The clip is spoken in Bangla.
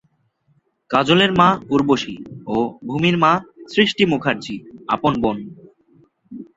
কাজলের মা উর্বশী ও ভূমির মা সৃষ্টি মুখার্জী আপন বোন।